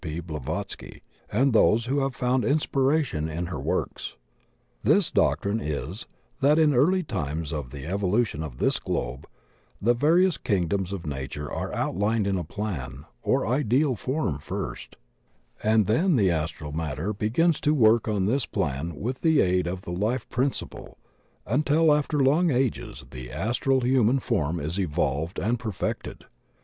P. Blavatsky and those who have found inspiration in her works. This doctrine is, that in early times of the evolu tion of this globe the various kingdoms of nature are outlined in plan or ideal form first, and then the astral matter begins to work on this plan with the aid of the Life principle, until after long ages the astral human form is evolved and perfected.